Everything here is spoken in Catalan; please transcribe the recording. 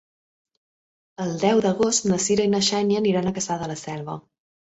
El deu d'agost na Cira i na Xènia aniran a Cassà de la Selva.